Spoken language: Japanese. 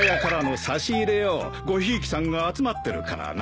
ごひいきさんが集まってるからな。